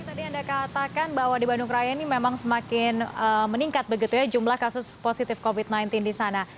tadi anda katakan bahwa di bandung raya ini memang semakin meningkat begitu ya jumlah kasus positif covid sembilan belas di sana